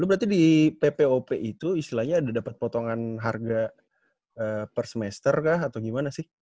lo berarti di ppop itu istilahnya ada dapat potongan harga per semester kah atau gimana sih